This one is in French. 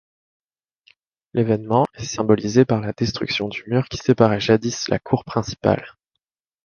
L’événement est symbolisé par la destruction du mur qui séparait jadis la cour principale.